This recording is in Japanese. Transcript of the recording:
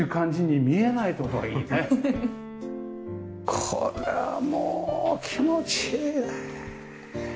これはもう気持ちいいね。